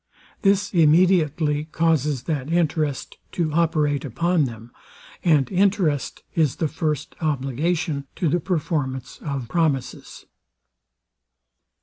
This immediately causes that interest to operate upon them; and interest is the first obligation to the performance of promises.